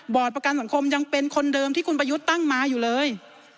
ประกันสังคมยังเป็นคนเดิมที่คุณประยุทธ์ตั้งมาอยู่เลย